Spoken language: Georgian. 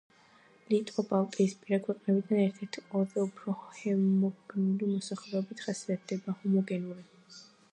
ლიტვა ბალტიისპირა ქვეყნებიდან ერთ-ერთი ყველაზე უფრო ჰომოგენური მოსახლეობით ხასიათდება.